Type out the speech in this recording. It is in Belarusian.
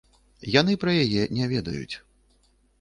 Яны пра яе не ведаюць.